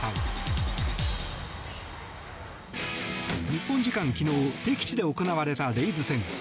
日本時間昨日敵地で行われたレイズ戦。